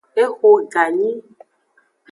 Exo ganyi.